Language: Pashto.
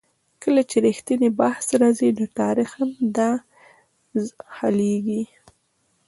کله چې د ریښې بحث راځي؛ نو تاریخ هم را دا خلېږي.